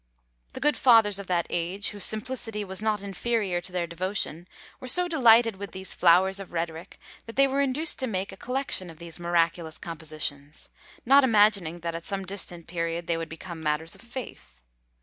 The good fathers of that age, whose simplicity was not inferior to their devotion, were so delighted with these flowers of rhetoric, that they were induced to make a collection of these miraculous compositions; not imagining that, at some distant period, they would become matters of faith.